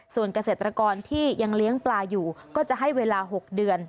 ส่วนเกษตรกรที่ยังเลี้ยงปลาอยู่ก็จะให้เวลา๖เดือน